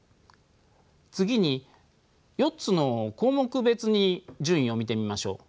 次に４つの項目別に順位を見てみましょう。